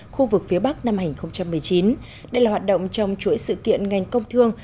khu vực phía bắc năm hai nghìn một mươi chín đây là hoạt động trong chuỗi sự kiện ngành công thương